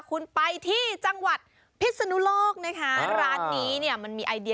คุณไปที่จังหวัดพิศนุโลกนะคะร้านนี้เนี่ยมันมีไอเดีย